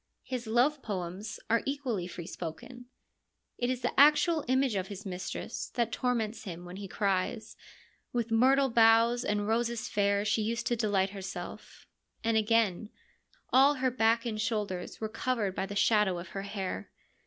His love poems are equally free spoken. It is the actual image of his mistress that torments him when he cries, * With myrtle boughs and roses fair she used to delight herself '; and again, ' All her back and shoulders were covered by the shadow of her hair.'